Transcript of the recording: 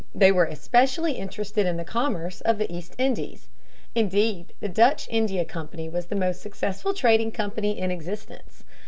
They were especially interested in the commerce of the East Indies. Indeed, the Dutch India Company was the most successful trading company in existence.